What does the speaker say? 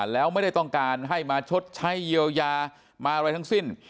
แล้วไม่ได้ต้องการให้มาชดใช้เยียวยามาอะไรทั้งสิ้น